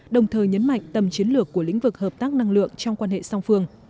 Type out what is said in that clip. đồng thời nhấn mạnh tầm chiến lược của lĩnh vực hợp tác năng lượng trong quan hệ song phương